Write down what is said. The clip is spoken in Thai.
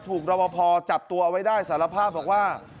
รบพอจับตัวเอาไว้ได้สารภาพบอกว่า